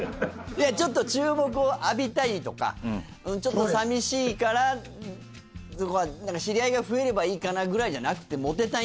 ちょっと注目を浴びたいとかちょっと寂しいからとか何か知り合いが増えればいいかなぐらいじゃなくて。